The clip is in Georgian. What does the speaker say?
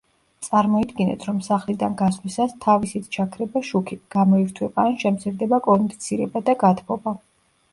წარმოიდგინეთ, რომ სახლიდან გასვლისას თავისით ჩაქრება შუქი; გამოირთვება, ან შემცირდება კონდიცირება და გათბობა.